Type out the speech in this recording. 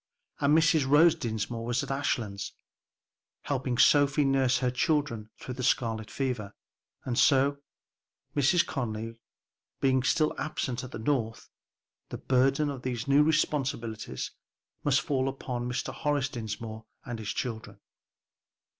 And Mrs. Rose Dinsmore was at Ashlands, helping Sophie nurse her children through the scarlet fever. And so, Mrs. Conly being still absent at the North, the burden of these new responsibilities must fall upon Mr. Horace Dinsmore and his children.